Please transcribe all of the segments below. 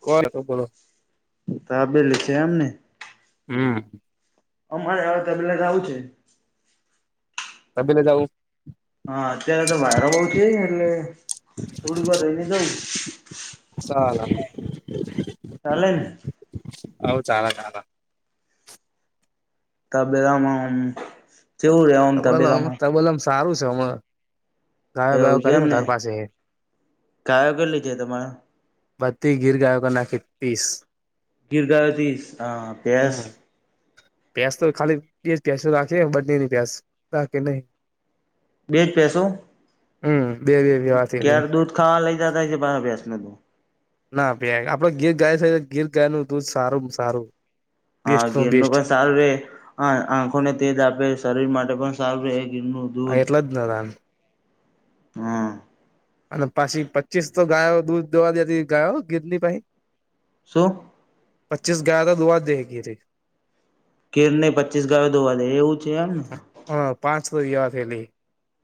કોણ હતો બોલો. તો આપેલું છે એમ ને? હમ્મ. અમારે હ તદ લગાઉં છે. ત પેલે જાઉ હા, અત્યારે તો વાયરો બહુ છેને એટલે થોડીક વાર રહીને જઉં. સાલા. ચાલે ને? હવ ચાલે ચાલે. તબેલામાં અમ્મ કેવું રે આમ તબલમ તબેલામાં? તબલમ સારું છે હમણાં. ગાયો એવું બાયો છે ખારી હું એમને તારા પાસે. ગાયો કેટલી છે તમારે બધી ગીર ગાયો કર નાખી પીસ. ગીર ગાયો તીસ હા પેસ પેસ તો ખાલી બે પેસ રાખે બદનીની પ્યાસ રાખે નહી. બે જ પૈસો હમ બે બે વ્યવાથેલી ક્યારે દૂધ ખાવા લઈ જતાાય છે બાર ભ્યાસ ને તો. ના પી આપડે ગીર ગાય છે ગર ગાયનું તું સારું આમ સારું. હા બેસ્ટ નું ગીરનું બેસ્ટ પણ સારું રહેે હ આંખોને તેજ આપે શરીર માટે પણ સારું રહે ગીરનું. હ દૂધ એટલા જ ને ના દાન. હા અને પાછી પચીસ તો ગાયો દૂધ દોવા દીતી ગાયો ગીત ની પાહિ. શું? પચીસ ગાયો તો દુઆ દે ગીર રી. ગીર ને પચીસ ગાવે દોવા દે એવું છે એમને? હા, પાંચ હુયા ફેલલી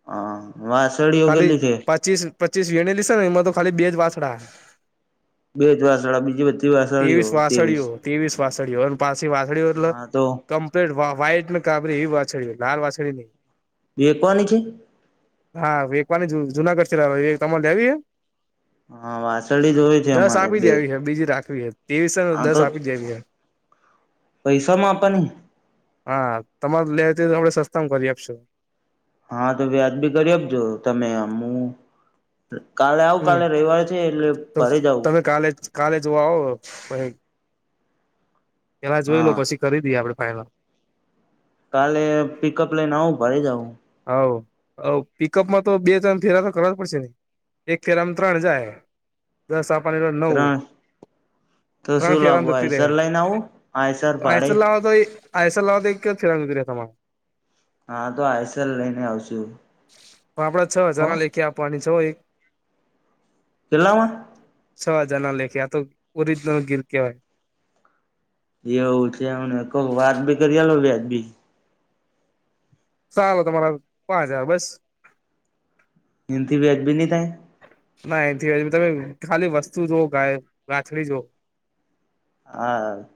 હા વાસળીઓ ખાલી કેટલી છે પચીસ પચીસ વેને લીશે એમાં તો ખાલી બે જ વાછડા. બે જ વાસળા બીજી બધી વાસળીઓ તેવીસ ત્રેવીસ વાસળીઓ તેવીસ વાસળીઓ અને પાછી વાસળી એટલે હા તો કમ વે વા-વાહાઈટને કાપડી એવી વાછળ લાલ વાછડી નહી. વેકવાની છે. હા વેકવાની જુ-જુનાગઢ થી લાવે હે તમારે લેવી હે? હા વાસળી જ હોય છે દસ અમારે આપી બે દેવી છે બીજી રાખવી છે તેવીસ દસ આપી દેવી હે. પૈસા માપા નહીં. હા, તમાર લે તે તો આપડા સસ્તામાં કરી આપશું. હા, તો વ્યાજબી કરી આપજો તમે આમ કાલે આવું હમ કાલે રવિવારે છે, એટલે તો ભરી જવું તમે કાલે જ કાલે જોવા આવો, ફરી પેલા જોઈ લો હા પછી કરી દઈએ આપણે ફાાઈનલ કાલે પિકઅપ લઈને આવું ભરે જઉં હોવ, હોવ.. પિકઅપમાં તો બે-ત્રણ ફેરા તો કરવા જ પડશે. એક ફેરા માં ત્રણ જાય, દસ આપવાની હોય તો નવ ત્રણ તો શું ત્રણ ફેરા લાવું માં જતી રહે, આઈસર લઈને આવું આઈસર ભાડે આઇશલ આવે તોય આઇશલ આવ તો એક જ ફેરા માં પતી જાય તમામ હા, તો આઈસલ લઈને આવશુ. આપણે છ હજાર ના લેખી આપવાની, છ એક કેટલામાં? છ હજાર ના લેખે આ તો ઓરિજિનલ ગિલ કેવાય. એવું છે, એમને કો વ્યાજબી કરી આલો વ્યાજ બી સારું તમારા પાંચ હજાર બસ એન થી વ્યાજબી નઈ થાય? ના એન થી વ્યાજબી તો, ખાલી વસ્તુ જોવો ખાલી કાથળી જોવો. હા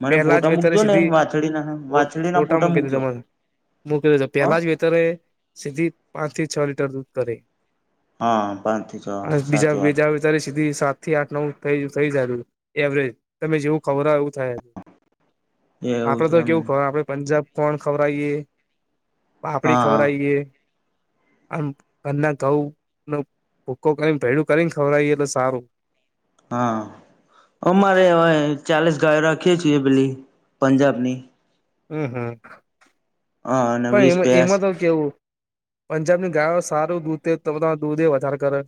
મને પહેલા જ ફોટા વેતરે મૂકજો ને સીધી વાછડી ના ફો, વાછડી ના ફોટા મૂકી મૂકજો દીધા. મૂકી દેધ હ પેલા જ વેતરે સીધી પાંચ થી છ લીટર દૂધ તરે હા, પાંચ થી છ સાચવવાનું અત્યારે સીધી સાત થી આઠ, નવ થ.. થઈ જાય. એવરેજ, તમે જેવું ખવરાવો હો એવું થાય, એવું આપડે છે તો એમ કેવું ખવ આપડે પંજાબ ગોડ ખવડાઈએ, પાપડી હા હા ખવડાઈએ આમ, ઘરના ઘઉં નો ભૂકો કરીને ભેડું કરીને ખવડાવીએ, તો સારું હા, અમારે હવે ચાલીસ ગાયો રાખીએ છીએ, પેલી પંજાબની હમ.. હમ. હા અને પણ વીસ એમાં, ભેસ એમાં તો કેવું, પંજાબની ગાયો સારું દૂધ, દૂધ એ વધારે કરે,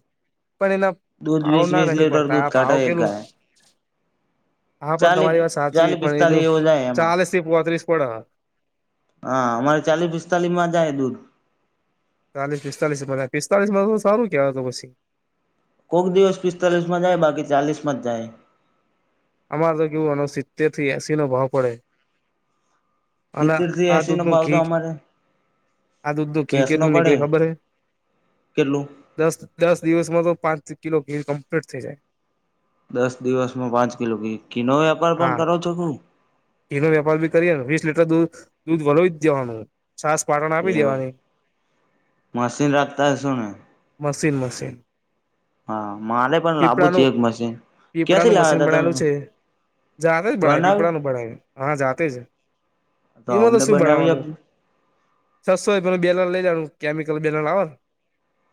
પણ એના દૂધ ભાવ વીસ ના વીસ નહિ લીટર પડતા, દૂધ આ ભાવ કાઢે એક કેટલું ગાય હા, પણ ચાલી તમારી વાત સાચી ચાલી પણ પિસ્તાલીસ એનું એવો જાય એમાં ચાલીશ થી પોત્રીસ પડ હ હા, અમારે ચાલી- પિસ્તાલી માં જાય દૂધ ચાલીસ-પિસ્તાલીસ એ ભરાય પિસ્તાલીસ માં તો સારું કેવાય તો પછી કોક દિવસ પિસ્તાલીસમાં જાય બાકી ચાલીસમાં જાય. અમારે તો કેવું આ નો સીતેર થી એસી નો ભાવ પડે. અને સિત્તેર થી આ એસી દૂધ નો નું ભાવ તો ઘી અમારે આ દૂધ નું ઘી ભેંસ નો કેટલું પડે નીકળે ખબર હે? કેટલું દસ, દસ દિવસમાં તો પાંચ કિલો ઘી કમ્પ્લેટ થઈ જાય. દસ દિવસમાં પાંચ કિલો ઘી, ઘી નો વેપાર પણ કરો છો ક હું? ઘી નો વેપાર ભી કરીએ, વીસ લીટર દૂધ, દૂધ વલોવી જ દેવાનું. છાશ પાડા ન આપી દેવાની મશીન રાખતા હશો ને મશીન, મશીન હા, મારે પણ લાવુ છે પીપળાનું એક મશીન, ક્યાંથી પીપળાનું લાવ્યા મશીન તા બનાયલું તમે? છે જાતે જ બનાયુ બનાવ્યું પીપળાનું બનાયુ, હા જાતે જ એમાં તો અમને શું બનાવી બનાવવાનું આપ્યું છસો એમલ નું બેલર લઈ લેવાનું કેમિકલ બેલર આવે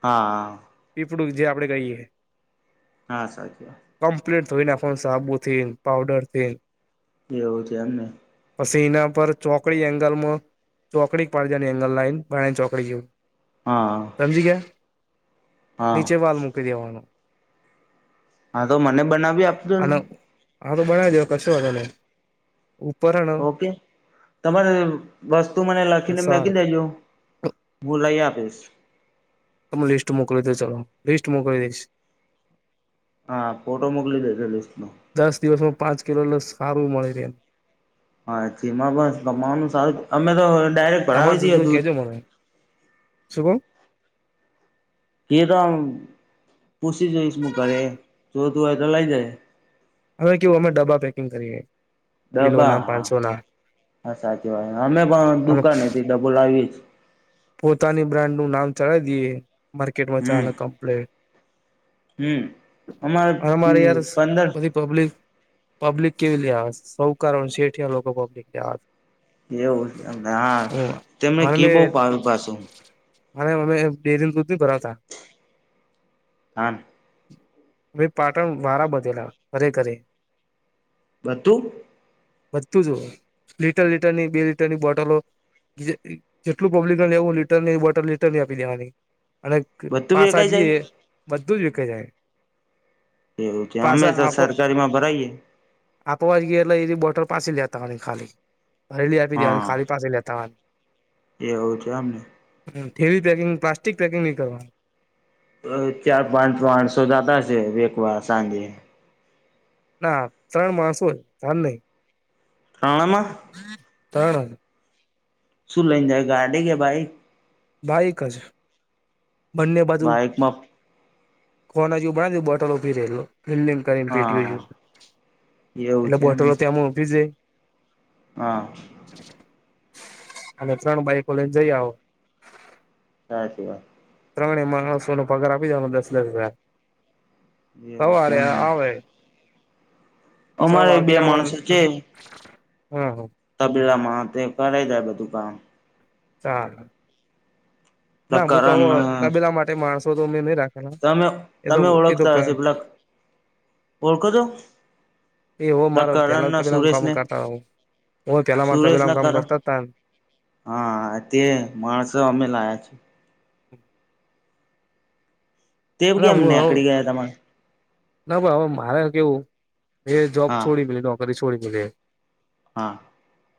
હા પીપડું જે આપણે કહીએ હા સાચી વાત કમ્પ્લેટ થઈ નાખો સાબુ થી પાવડર થી એવું છે એમને પછી એના પર ચોકડી એંગલમાં ચોકડી પ પાડજની એંગલ લંન બરાણી ચોકડીરી જે હા સમજી ગયા હા નીચે વાલ મૂકી દેવાનું હા તો મને બનાવી આપજો ને અને હા તો બનાવી દો કશો હો તમે ઉપરણ ઓકે તમારે વસ્તુ મને લખીને મેકી સારું દેજો મુ લાઈ આપીશ મુ લિસ્ટ મોકલી દો ચાલો લિસ્ટ મોકલી દઈશ હા ફોટો મોકલી દેજ લિસ્ટ ન દસ દિવસમાં પાંચ કિલો લસ સારું મળી રહે એમ હાછીમાં બસ તમામાવાનું સારું અમે તો ડાયરેક્ટ તમાર ભરાવી દઈએ સસુ દૂધ કજો મને શું કો કે તો આમ પોછી જોઈશ હું ઘરે જોતું હોય તો લઈ જાય હવે કેવું અમે ડબ્બ પેકિંગ કરીએઈએ ડબા હા હા સાચી વાત અમે પણ અને દુકાાન ને થી ડબો લાવીયે પોતાની બ્રાન્ડ નું નામ ચલાવી દઈએ માર્કેટમાં ચાના કંપલે હમ્મ અમારે પંદર બધી પબ્લિક પબ્લિક કેવી લેહા સૌ કારણ છેઠ લોકો પબ્લિક લ એવું હા તેમને ઘી બો ભાવે પાછું અનેરે અમે બેેરીને દૂધ ન ભરાવતા હા ભાઈ પાટણ વા [unintelligible] બધું બધતું જ લીટર લીટરની બે લીટરની બોટલો જેટલું પબ્લિક લેું લીટર વટર લીટર ની આપી દેવાની અને બધું વેકાઈ પાસાજીએ જાય બધું જ વિકે જાય એવું છે અમે પાસા તો આપ સરકારીમાં ભરાઈયએ આપવા જ ગઈ એટલે એ બટર પાછી લેતા હોવાની ખાલી હરેલી આપી દેવાની ખાલી પાછી લેતા હોવાની એવુ છે એમ હ થેલિ પેકિંગ પ્લાસ્ટિક પેકિંગ નની કરવાનું ચાર પાંચ આઠ સો જતા છે એકવાર સાંજે ના ત્રણ માણસો ધ્યાન નહી આવામાં [unintelligible] શું લઈને જાય ગાડીે કે બાઈક બાઇક જ બંને બાજુ બાઈકમાં કોના જેવું બના દું બોટલો [unintelligible] કરીને હા તેટલી એવું એટલે છે એમને બોટલો ત્યાં મોકલી છે હા અને ત્રણ બાઈકો લઈને જઈ આવો સાચી વાત ત્રણેય માણસો નો પગાર આપી દવાનો દસ દસ લાખ એવું છે સવારે એમને આવે છ અમારે બે વાગ્યા માણસો આવાનું તબીલામાં તે કરાઈ જાય બધું કામ ચાર ના પેલા હું તો હું કરણ તબેલા માટે માણસો તો મે નહી રાખ તમે તમે ઓળખતા હસો પેલા ઓળખો છો એ વો મારો કરણ પેલા ના [unintelligible] સુરેશ કામ ને કરતા હો હુંય પેલા વા સુરેશ તબેલામાં ના કામ કરણ કરતાતા હા તે માણસો અમે લાયા છીએ [inaudible] દિવસ અને કેમ હું નેકળી હવે ગયા તમે ના ભાઈ હવે મારે કેવું એ જોબ હા છોડી મેલી નોકરી છોડી હા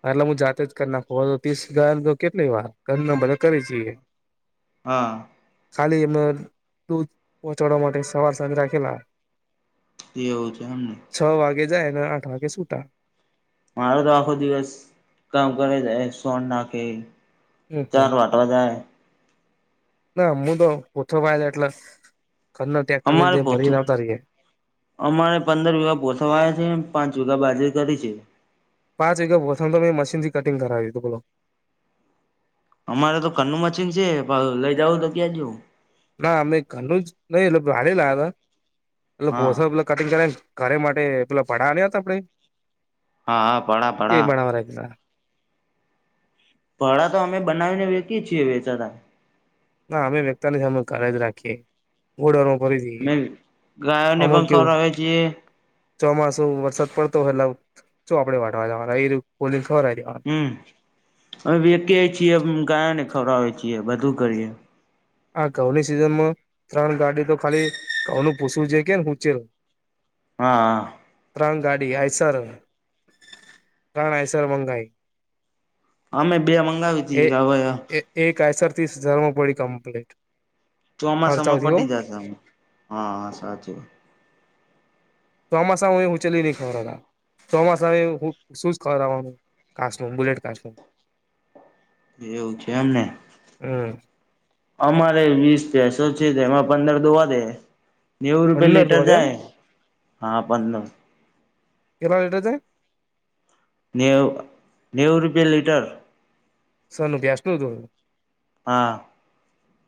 એટલે હું જાતે જ કરી નાખું હવે તો ત્રીસ ગન કેટલી વાર કરી ઘરના બધા કરિયે છીયે હા ખાલી એમ દૂધ પહોંચાડવા માટે એક સવાર સાંજ રાખેલા [unintelligible] છે એમને છ વાગે જાયને આઠ વાગે સુટા મારો તો આખો દિવસ કામ કરે છે સોન નાખી હમ હમ ના મું તો ઓછો [unintelligible] એટલે ઘરના ટેકટર લયન અમારે પોતે જાયન આવતા રયે અમારે પંદર વીઘા પોછાવાયા છે પાંચ વીઘા બાજરી દરી છી પાંચ વગ્યા [unintelligible] તો મેં મશીનથી કટિંગ કરાવીયું હતું બોલો અમારે તો ઘરનું મશીન છે પણ લઈ જવ તો ક્યાં જવું ના અમે ઘરનું જ નહી એટલે ભાડે લાયા તા એટલે ઓલા હા પોસા પ કટિંગ કરને ઘરે માટે એકલા પડા રયાતા ભાઈ હા હા પડા પડા [unintelligible] પળા તો અમે બનાવીને વેચિયે જ છીએ વેચાતા ના અમે વેંચતા નથી અમે ઘરે જ રાખીયે ગોડાણો ભરી દઈએ મે ગાયોને આમાં પણ કેવું ખવડાવે છીએ ચોમાસું વરસાદ પડતો હોય એટલે શું આપડે વાટવા જવાના [unintelligible] હમ અમે વેચીયેય છીએ ઉમ ગાયોને ખવડાવી છીએ બધું કરીએ આા ઘઉ ની સિઝનમાં ત્રણ ગાડી તો ખાલી ઘઉ નું પૂછવું છે કે ઉચેર હા હા ત્રણ ગાડી [unintelligible] ત્રણ હાઇસર બઁધાઈ અમે બે મંગાવી એ તી હવે એ એક આઈસર થી જ [unintelligible] પડે ચોમાસામાં પટી જશે હા હા સાચું ચોમાસામાંય [unintelligible] ચોમાસા [unintelligible] હું બુલેટ કાઢ લવ એવું છે એમને. હમ અમારે વીસ ભેંસો છે, જેમાં પંદર દોવા દે હે. નેવું રૂપિયા પંદર લીટર દોડે એમ જાય, હા પંદર. કેટલા લિટર જાય? નેવ નેવું રૂપિયા લીટર. શાનું? ભેંસનું દૂધ? હા.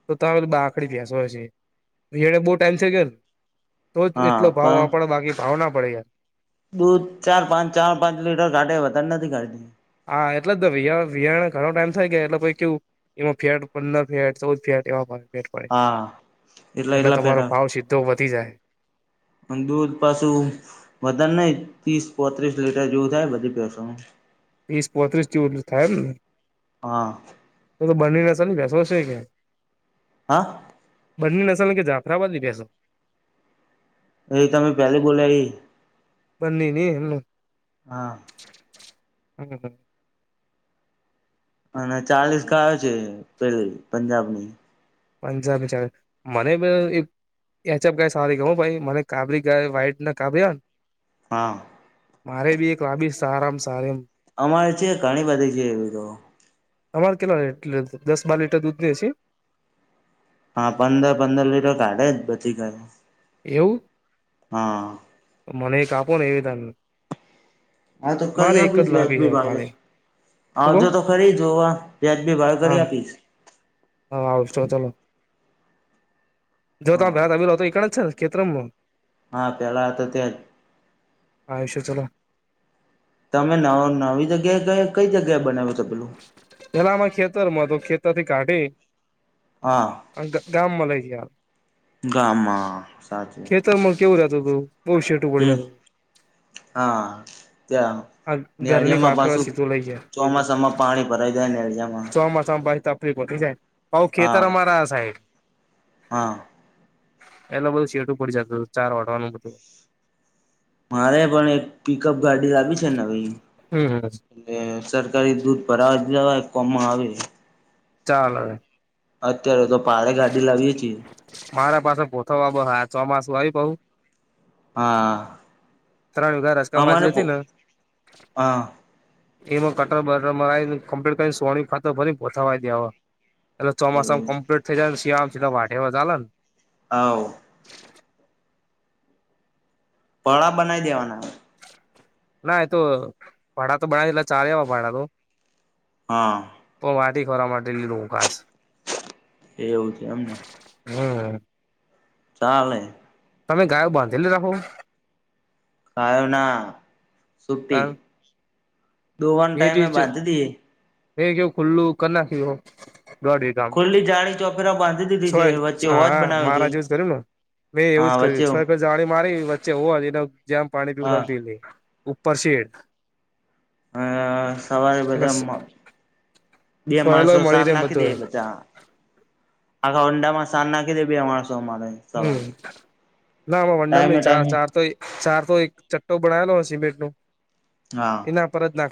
તો તમે [unintelligible] ભેંસો છે. વિહાણે બહુ ટાઈમ થઈ ગયોન? તો જ હા એટલો ભાવ પણ આપણે બાકી ભાવ ના પડે યાર. દૂધ ચાર-પાંચ, ચાર-પાંચ લીટર કાઢે, વધારે નથી કાઢતી. હા એટલે જ તો વિહર વિહાણે ઘણોટાઈમ થઈ ગયો એટલે પહીં કેવું એમાં ફેટ પંદર ફે ચૌદ ફેેટ હા [unintelligible] એટલા એટલે એટલા પેટ તમારો ભાવ સી ધો વધી જાય. અન દૂધ પાસું વધારે નહીં, તીસ પાંત્રીસ લીટર જેવું થાય બધી ભેંસોનું. વીસ પોત્રીસ જેવું જ થાય એમને. હા તો-તો [unintelligible] હા? બંની નસલ કે જાફરાબાદી ભેંસો? એવી તમે પેલી બોલ્યા ઈ. બંનીની એમનું હા. [inaudible] અને ચાલીસ ગાય છે પેલી પંજાબની. પંજાબી [unintelligible] [unintelligible] હુ ભાઈ, મને કાબરી ગાય વાઈટ ને કાબરી હોયન હા. મારે બી એક [unintelligible] સારામ સારી એમ. અમારે છે, ઘણી બધી છે એવી તો. તમારે કેટલા [unintelligible] દસ બાર લીટર દૂધ દે છે? હા પંદર-પંદર લીટર કાઢે જ બધી ગાય. એવું? હા. તો મનેઈ એક આપોને [unintelligible] હા તો કરી આપીશ લાવી હે વ્યાજબી ભાવે. કાલે શું કઉ આવજો તો ખરી જોવા. વ્યાજબી ભાવે હા કરી આપીશ. હા આવશું ચાલો. હા [unintelligible] હા પેલા તો ત્યાં જ હા આઈશું ચલો. તમે નવ નવી જગ્યાએ કયે કંઈ જગ્યાએ બનાવ્યું છે પેલું? પેલા અમાર ખેતર માં હતો, તો ખેતર થી કાઢી હા. અન ગ ગામમાં લઈ જ્યા. ગામમાં, સાચું. [unintelligible] કેવું રહેતું તું, બહુ શેટું પડી હમ જાતું. હા. ત્યાં આ ઘરની ન્યાંળિમાં પાછળ પાસું સીધું લઈ ગયા ચોમાસામાં પાણી ભરાઈ જાય ને એરિયામાં. ચોમ્બા ચોમ્બા તકલીફો હોતી જાએ. ઓ ખેતર ખેતર હા અમારા આ સાહેબ. હા એટલે બધું સેટું પડી જતું હતું ચાર વટવાનું બધું મારે પણ એક પિકઅપ ગાડી લાવી છે નવી હમ એટલે સરકારી દૂધ ભરાવા દવા આપવામાં આવે. ચાલે અત્યારે તો પાડે ગાડી લાવીએ છીએ મારા પાસે ભોથબ હા ચોમાસું આવીય બઉ હા. ત્રણ ગ રસકા અમારે બાજરી હતી ને હા એમાં કટર બટરને કમ્પલીટ કરીને સો ખાતો ભરી પોઠવા દેવા. એટલે એવું ચોમાસમ્પલીટ થઈ જાયને શિયામ સીધા વાઢામાં ચાલે ને આવ. પળા બનાઈ દેવાના. ના એતો ભાડા તો ભણેલા ચાવા એવા ભાડા તો હા. પો માટી ખોરા માટે લું ખાશ એ એવું છે એમને. હમ્મ. ચાલે. તમે ગાયો બાંધેલી રાખો? ગાયોના શુટ્ટી. હે બી ચ દઈએ હે કેવ ખુલ્લું કર નાખી બહુ દોઢી જામ ખુલ્લી જાળી ચોપેરા બાંધી દીધી છે વચ્ચે છય હોજ હા બનાવ્યો છે મારા જેવજ કર્યું ના? મેં એવું જ હા વચ્ચે કર્યું છો કલ જાણી મારી વચ્ચે હોવા એને જેમ પાણી પીવું હા તમ પી લઈ ઉપર શેડ. અહ સવારે અને બધા મા બે સોયલો માણસો મળી સામ રહે નાખી બધો દે બધા. આખા ઊંડા માં સાન નાખી બે માણસો માં ને. હમ્મ, ના વો વંડા મે ચાર ટાઈમે ચાર તો એ ચાર તો એક ચટ્ટો બનાયેલો હો સિમેન્ટ નું હા એના પર જ નાખ